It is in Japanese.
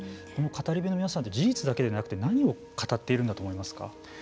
この語り部の皆さんって事実だけでなくて何を語っているんだと思いますか。